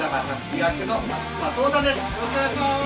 よろしくお願いします！